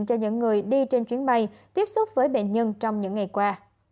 cho những người đi trên chuyến bay tiếp xúc với bệnh nhân trong những ngày qua